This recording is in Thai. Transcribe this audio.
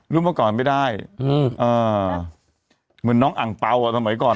เมื่อก่อนไม่ได้อืมอ่าเหมือนน้องอังเปล่าอ่ะสมัยก่อน